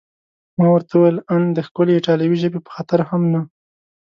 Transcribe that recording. ما ورته وویل: ان د ښکلې ایټالوي ژبې په خاطر هم نه؟